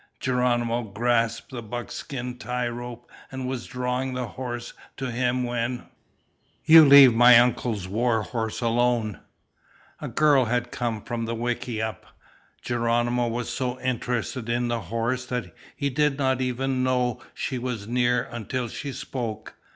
Geronimo grasped the buckskin tie rope, and was drawing the horse to him when "You leave my uncle's war horse alone!" A girl had come from the wickiup. Geronimo was so interested in the horse that he did not even know she was near until she spoke.